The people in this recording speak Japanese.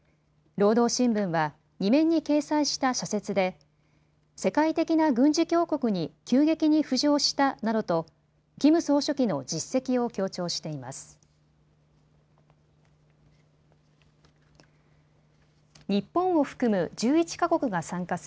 労働新聞は２面に掲載した社説で世界的な軍事強国に急激に浮上したなどとキム総書記の実績を強調しています。